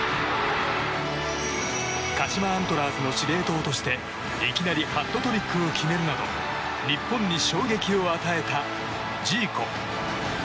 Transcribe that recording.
鹿島アントラーズの司令塔としていきなりハットトリックを決めるなど日本に衝撃を与えたジーコ。